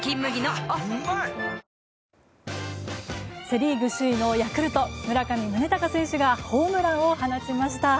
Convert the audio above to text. セ・リーグ首位のヤクルト村上宗隆選手がホームランを放ちました。